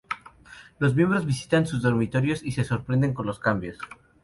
Los miembros visitan sus dormitorios y se sorprenden con los cambios.